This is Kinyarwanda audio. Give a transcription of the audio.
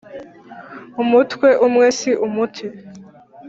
umutwe umwe si umuti